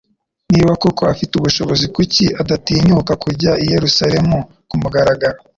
Niba koko afite ubushobozi kuki adatinyuka kujya i Yerusalemu kumugaragaro